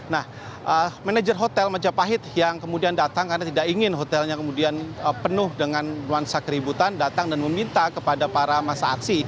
nah manager hotel majapahit yang kemudian datang karena tidak ingin hotelnya kemudian penuh dengan nuansa keributan datang dan meminta kepada para masa aksi